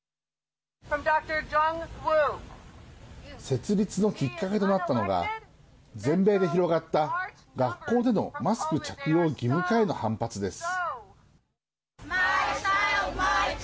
設立のきっかけとなったのが全米で広がった学校でのマスク着用義務化への反発です。